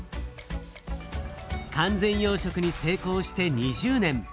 完全養しょくに成功して２０年。